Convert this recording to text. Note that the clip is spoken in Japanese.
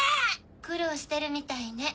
苦労してるみたいね。